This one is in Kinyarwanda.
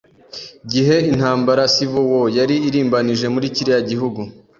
gihe intambara (civil war) yari irimbanije muri kiriya gihugu